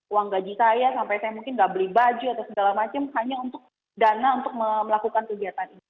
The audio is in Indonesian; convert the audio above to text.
uang gaji saya sampai saya mungkin nggak beli baju atau segala macam hanya untuk dana untuk melakukan kegiatan ini